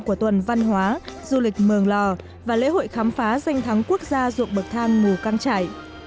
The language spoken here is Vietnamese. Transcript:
của tuần văn hóa du lịch mường lò và lễ hội khám phá danh thắng quốc gia dụng bậc thang mù căng trải